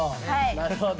なるほど。